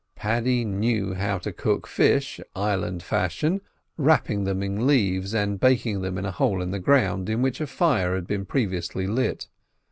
Paddy knew how to cook fish, island fashion, wrapping them in leaves, and baking them in a hole in the ground in which a fire had previously been lit.